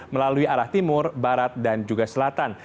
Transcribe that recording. melalui arah timur barat dan juga selatan